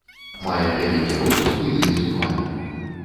Мае вялікі рот з буйнымі зубамі.